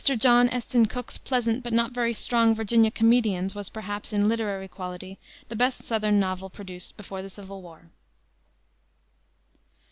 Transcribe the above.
John Esten Cooke's pleasant but not very strong Virginia Comedians was, perhaps, in literary quality the best southern novel produced before the civil war.